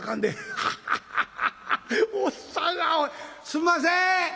「すんません！